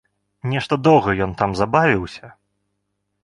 Нешта доўга ён там забавіўся.